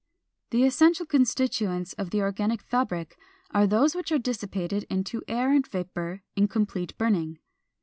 The essential constituents of the organic fabric are those which are dissipated into air and vapor in complete burning.